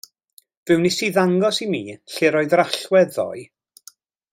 Fe wnest ti ddangos i mi lle roedd yr allwedd ddoe.